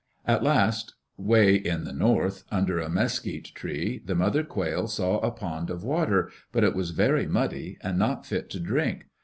At last, way in the north, under a mesquite tree, the mother quail saw a pond of water, but it was very muddy and not fit to drink.